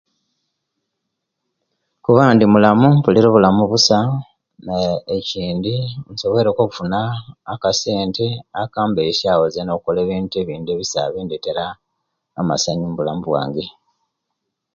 Kuba ndimulamu mpulira obulamu busa aah ekyindi nsobwere ku okufuna akasenta akambesya wo zena okola ebintu ebindi ebisa ebindetera amasanyu mubulamu bwange